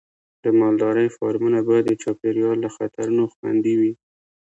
د مالدارۍ فارمونه باید د چاپېریال له خطرونو خوندي وي.